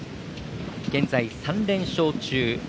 現在３連勝中。